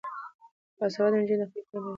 باسواده نجونې د خپلې کورنۍ ملاتړ کوي.